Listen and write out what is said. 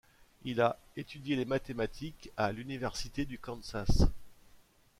Il a étudié les mathématiques à l'Université du Kansas.